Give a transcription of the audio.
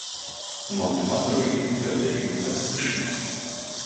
Montgomery führte ebenfalls Regie.